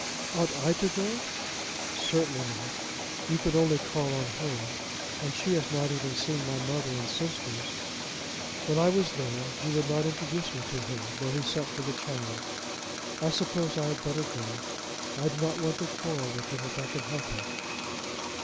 "Ought I to go?" "Certainly not. You could only call on her, and she has not even seen my mother and sisters. When I was there he would not introduce me to her, though he sent for the child. I suppose I had better go. I do not want to quarrel with him if I can help it."